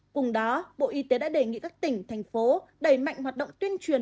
cùng đó bộ y tế đã đề nghị các tỉnh thành phố đẩy mạnh hoạt động tuyên truyền